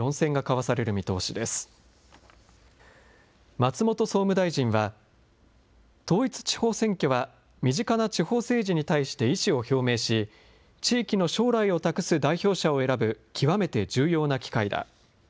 松本総務大臣は、統一地方選挙は身近な地方政治に対して意思を表明し、地域の将来を託す代表者を選ぶ極めて重要な機会だ。